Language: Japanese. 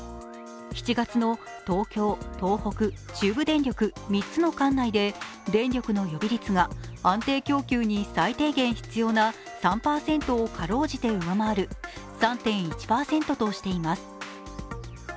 ７月の東京、東北中部電力３つの管内で電力の予備率が安定供給に最低限必要な３％をかろうじて上回る３．１％としています。